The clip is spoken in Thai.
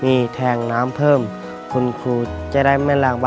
ในแคมเปญพิเศษเกมต่อชีวิตโรงเรียนของหนู